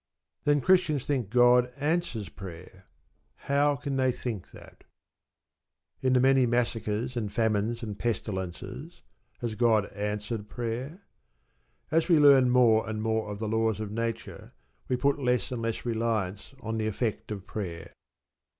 Then Christians think God answers prayer. How can they think that? In the many massacres, and famines, and pestilences has God answered prayer? As we learn more and more of the laws of Nature we put less and less reliance on the effect of prayer.